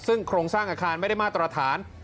ซึ่งโครงสร้างอาคารไม่ได้มาตรฐาน